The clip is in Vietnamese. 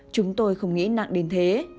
chúng tôi không nghĩ nặng đến thế